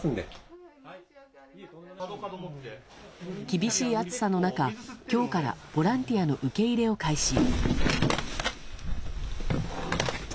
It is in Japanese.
厳しい暑さの中今日からボランティアの受け入れを開始。